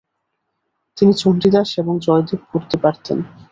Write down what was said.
তিনি চন্ডীদাস এবং জয়দেব পড়তে পারতেন।